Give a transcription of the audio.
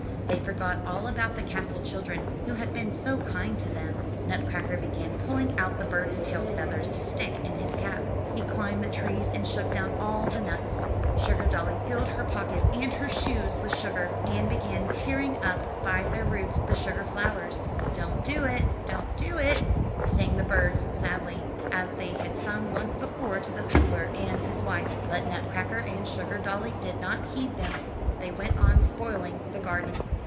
They forgot all about the castle children who had been so kind to them. Nutcracker began pulling out the birds' tail feathers to stick in his cap. He climbed the trees, and shook down all the nuts. Sugardolly filled her pockets and her shoes with sugar, and be gan tearing up by their roots the sugar flowers. io8 UP ONE PAIR OF STAIRS ''Don't do it. Don't do it," sang the birds sadly, as they had sung once before to the peddler and his wife, but Nutcracker and Sugardolly did not heed them. They went on spoiling the garden.